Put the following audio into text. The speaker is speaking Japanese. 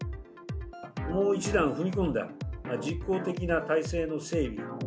もう一段踏み込んだ実効的な体制の整備。